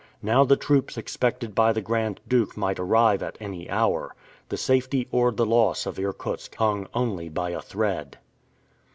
Now the troops expected by the Grand Duke might arrive at any hour. The safety or the loss of Irkutsk hung only by a thread.